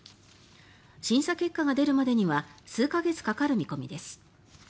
審査結果が出るまでには数か月かかる見込みです。